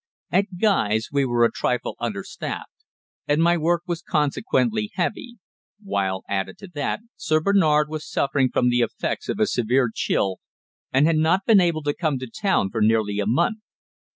At Guy's we were a trifle under staffed, and my work was consequently heavy; while, added to that, Sir Bernard was suffering from the effects of a severe chill, and had not been able to come to town for nearly a month.